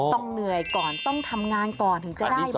ต้องเหนื่อยก่อนต้องทำงานก่อนถึงจะได้